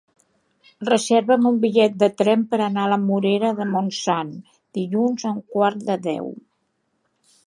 Reserva'm un bitllet de tren per anar a la Morera de Montsant dilluns a un quart de deu.